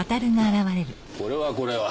あっこれはこれは。